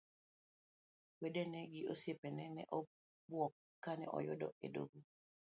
Wedene gi osiepene ne obuok kane oyude e doho.